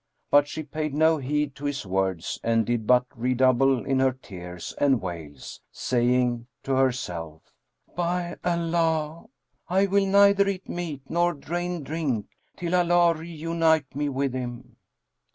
But she paid no heed to his words and did but redouble in her tears and wails, saying to herself, "By Allah, I will neither eat meat nor drain drink, till Allah reunite me with him!"